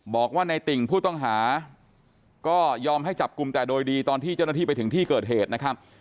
บอกว่าในติ่งผู้ต้องหาก็ยอมให้จับกลุ่มแต่โดยดีตอนที่เจ้าหน้าที่ไปถึงที่เกิดเหตุนะครับ